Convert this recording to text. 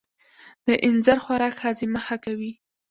د اینځر خوراک هاضمه ښه کوي.